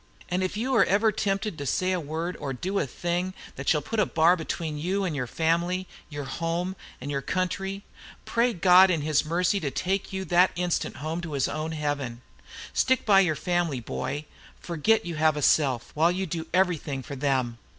And if you are ever tempted to say a word, or to do a thing that shall put a bar between you and your family, your home, and your country, pray God in His mercy to take you that instant home to His own heaven. Stick by your family, boy; forget you have a self, while you do everything for them.